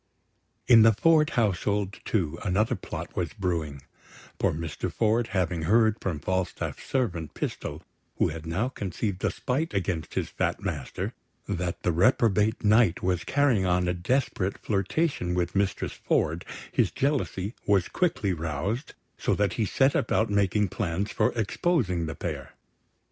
In the Ford household, too, another plot was brewing; for Master Ford, having heard from Falstaff's servant, Pistol (who had now conceived a spite against his fat master), that the reprobate Knight was carrying on a desperate flirtation with Mistress Ford, his jealousy was quickly roused, so that he set about making plans for exposing the pair.